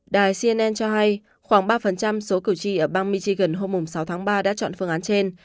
đài cnn cho hay khoảng ba số cử tri ở bang michigan hôm sáu tháng ba đã chọn phương án trên